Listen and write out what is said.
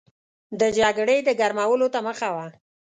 د جګړې د ګرمولو ته مخه وه.